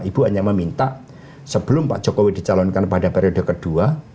ibu hanya meminta sebelum pak jokowi dicalonkan pada periode kedua